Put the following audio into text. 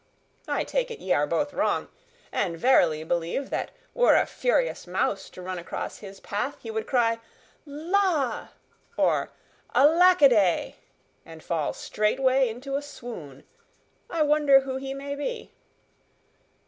I take it ye are both wrong, and verily believe that were a furious mouse to run across his path, he would cry, 'La!' or 'Alack a day!' and fall straightway into a swoon. I wonder who he may be."